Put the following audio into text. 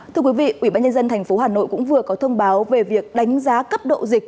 thưa quý vị ủy ban nhân dân tp hà nội cũng vừa có thông báo về việc đánh giá cấp độ dịch